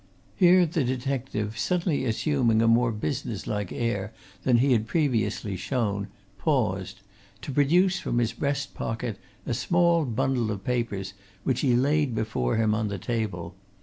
Here the detective, suddenly assuming a more business like air than he had previously shown, paused, to produce from his breast pocket a small bundle of papers, which he laid before him on the table.